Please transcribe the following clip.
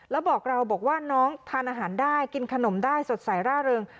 แล้วบอกเราบอกว่าน้องทานอาหารได้กินขนมได้สดใสร่าเริง